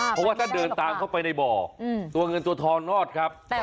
เพราะว่าถ้าเดินตามเข้าไปในบ่อตัวเงินตัวทองรอดครับ